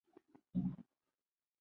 罗什勒佩鲁人口变化图示